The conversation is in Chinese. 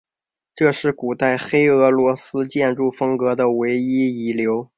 这是古代黑俄罗斯建筑风格的唯一遗留。